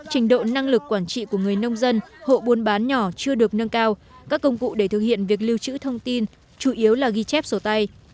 trình độ năng lực quản trị của người nông dân hộ buôn bán nhỏ chưa được nâng cao các công cụ để thực hiện việc lưu trữ thông tin chủ yếu là ghi chép sổ tay